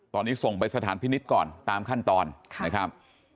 ตอนนี้ส่งไปสถานพินิษฐ์ก่อนตามขั้นตอนนะครับ